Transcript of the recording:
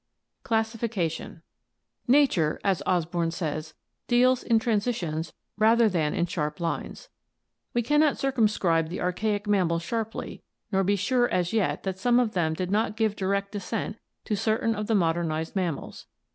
Classification. — "Nature," as Osborn says, "deals in transi tions rather than in sharp lines. We can not circumscribe the archaic mammals sharply, nor be sure as yet that some of them did not give direct descent to certain of the modernized mammals.